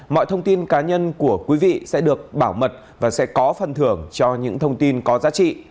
mọi thông tin cá nhân của quý vị sẽ được bảo mật và sẽ có phần thưởng cho những thông tin có giá trị